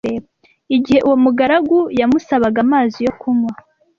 Igihe uwo mugaragu yamusabaga amazi yo kunywa